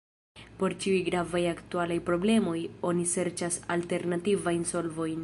Por ĉiuj gravaj aktualaj problemoj oni serĉas alternativajn solvojn.